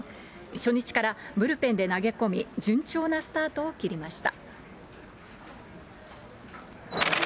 初日からブルペンで投げ込み、順調なスタートを切りました。